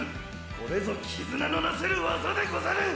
これぞ絆のなせる技でござる！